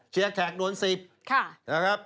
เชียร์แขกโดน๑๐